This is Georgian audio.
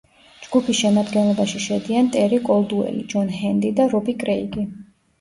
ჯგუფის შემადგენლობაში შედიან ტერი კოლდუელი, ჯონ ჰენდი და რობი კრეიგი.